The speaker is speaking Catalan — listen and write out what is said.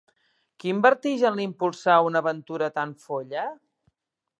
Quin vertigen l'impulsà a una aventura tan folla?